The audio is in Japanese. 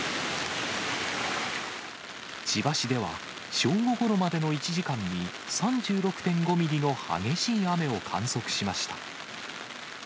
千葉市では正午ごろまでの１時間に３６．５ミリの激しい雨を観測しました。